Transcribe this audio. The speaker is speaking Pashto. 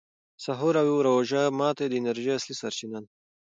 سحور او روژه ماتي د انرژۍ اصلي سرچینه ده.